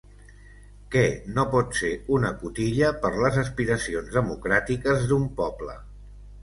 Què no pot ser una cotilla per les aspiracions democràtiques d'un poble?